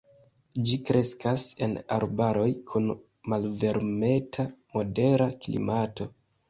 Ĝi kreskas en arbaroj kun malvarmeta-modera klimato.